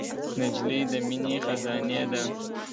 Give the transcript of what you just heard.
نجلۍ د مینې خزانې ده.